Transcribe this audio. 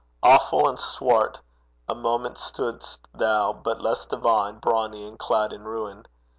Awful and swart A moment stoodest thou, but less divine Brawny and clad in ruin!